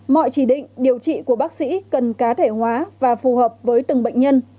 mọi chỉ định điều trị của bác sĩ cần cá thể hóa và phù hợp với từng bệnh nhân